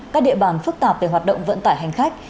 các địa bàn phức tạp về hoạt động vận tải hành khách